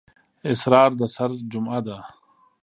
اسرار د سِر جمعه ده.